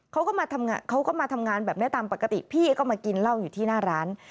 เขาก็มาทำงานเขาก็มาทำงานแบบนี้ตามปกติพี่ก็มากินเหล้าอยู่ที่หน้าร้าน